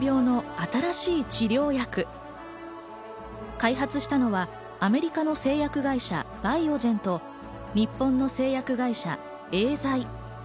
開発したのはアメリカの製薬会社バイオジェンと日本の製薬会社エーザイ。